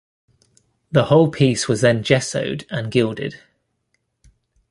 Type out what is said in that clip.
The whole piece was then gessoed and gilded.